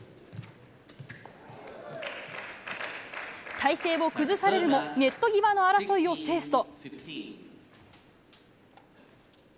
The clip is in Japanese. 体勢を崩されるもネット際の争いを制すと。